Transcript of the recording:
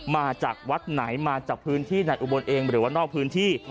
มาจากวัดไหนมาจากพื้นที่ในอุบลเองหรือว่านอกพื้นที่